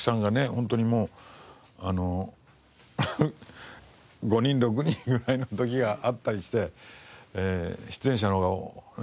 本当にもう５人６人ぐらいの時があったりして出演者のほうがね